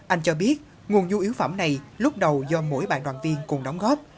anh cho biết nguồn du yếu phẩm này lúc đầu do mỗi bạn đoàn viên cùng đóng góp